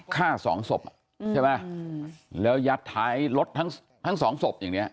ฆ่าสองศพใช่ไหมแล้วยัดท้ายรถทั้งสองศพอย่างนี้